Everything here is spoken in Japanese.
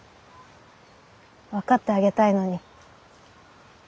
分かってあげたいのに。